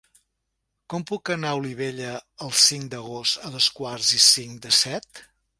Com puc anar a Olivella el cinc d'agost a dos quarts i cinc de set?